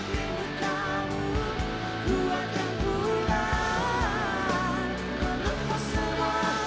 dekat lenyap peluk kasihmu